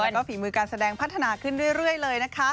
แล้วก็ฝีมือการแสดงพัฒนาขึ้นเรื่อยเลยนะคะ